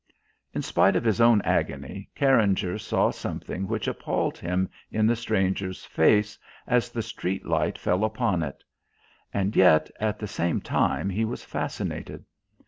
In spite of his own agony, Carringer saw something which appalled him in the stranger's face as the street light fell upon it; and yet at the same time he was fascinated.